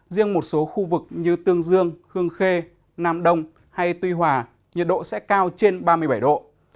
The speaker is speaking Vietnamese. riêng một số khu vực như tương dương hương khê nam đông hay tuy hòa nhiệt độ sẽ cao trên ba mươi bảy độ